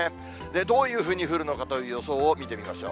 どういうふうに降るのかという予想を見てみましょう。